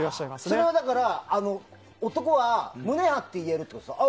それは男は胸を張って言えるってことですか？